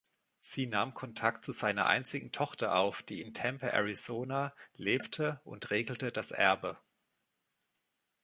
Sie nahm Kontakt zu seiner einzigen Tochter auf, die in Tempe, Arizona, lebte, und regelte das Erbe.